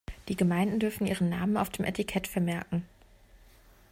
Die Gemeinden dürfen ihren Namen auf dem Etikett vermerken.